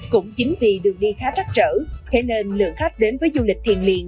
cũng chính vì đường đi khá trắc trở thế nên lượng khách đến với du lịch thiền liền